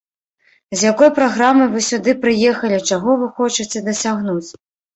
З якой праграмай вы сюды прыехалі, чаго вы хочаце дасягнуць?